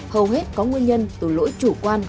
hầu hết có nguyên nhân từ lỗi chủ quan